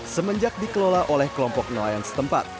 semenjak dikelola oleh kelompok nelayan setempat